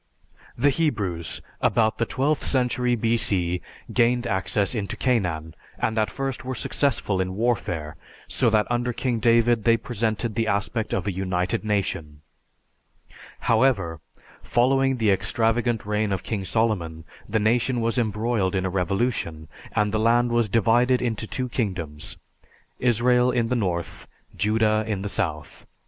The Hebrews, about the twelfth century B.C., gained access into Canaan, and at first were successful in warfare, so that under King David they presented the aspect of a united nation. However, following the extravagant reign of King Solomon, the nation was embroiled in a revolution, and the land was divided into two kingdoms Israel in the north, Judah in the south.